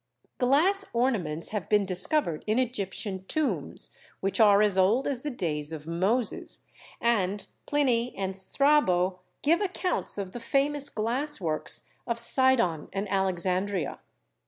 Glass ornaments have been discovered in Egyptian tombs which are as old as the days of Moses, and Pliny and Strabo give accounts of the famous glass works of Sidon and Alexandria.